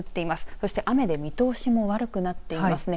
そして、雨で見通しも悪くなっていますね。